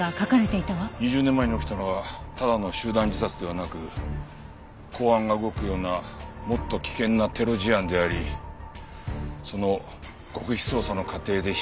２０年前に起きたのはただの集団自殺ではなく公安が動くようなもっと危険なテロ事案でありその極秘捜査の過程で火浦は。